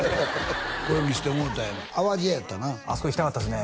これ見せてもろうたの淡路屋やったなあそこ行きたかったっすね